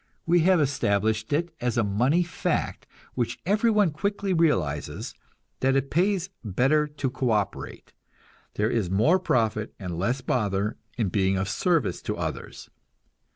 We have established it as a money fact, which everyone quickly realizes, that it pays better to co operate; there is more profit and less bother in being of service to others.